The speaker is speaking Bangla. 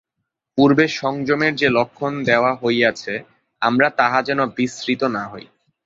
পূর্বে সংযমের যে লক্ষণ দেওয়া হইয়াছে, আমরা তাহা যেন বিস্মৃত না হই।